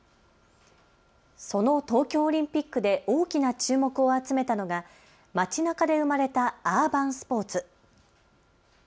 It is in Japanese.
その東京オリンピックで大きな注目を集めたのが街なかで生まれたアーバンスポーツ。